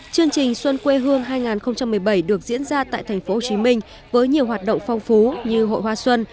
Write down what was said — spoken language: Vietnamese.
chương trình xuân quê hương hai nghìn một mươi bảy được diễn ra tại tp hcm với nhiều hoạt động phong phú như hội hoa xuân